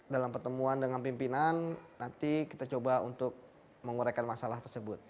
dalam pertemuan dengan pimpinan nanti kita coba untuk menguraikan masalah tersebut